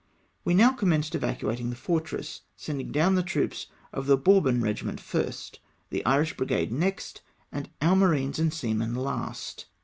We now commenced evacuating the fortress, sending down the troops of the Bourbon regiment first ; the Irish brigade next, and our marines and seamen last.